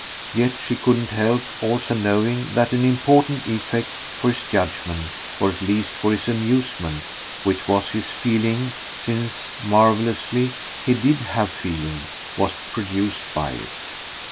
Yet she couldn't help also knowing that an important effect, for his judgement, or at least for his amusement which was his feeling, since, marvellously, he did have feeling was produced by it.